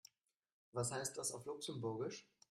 Was heißt das auf Luxemburgisch?